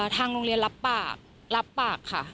ทางโรงเรียนรับปากรับปากค่ะ